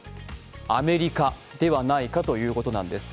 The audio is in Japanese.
アメリカではないかということなんです。